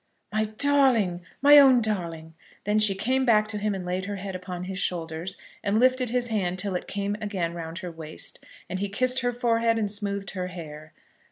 "My darling! my own darling!" Then she came back to him and laid her head upon his shoulders, and lifted his hand till it came again round her waist. And he kissed her forehead, and smoothed her hair.